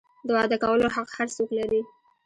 د واده کولو حق هر څوک لري.